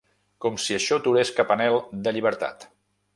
Com si això aturés cap anhel de llibertat.